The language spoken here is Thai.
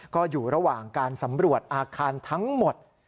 ก็อยู่ระหว่างการสำรวจอาคารทั้งหมด